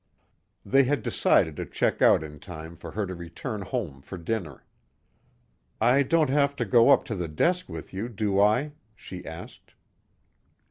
... They had decided to check out in time for her to return home for dinner. "I don't have to go up to the desk with you, do I?" she asked.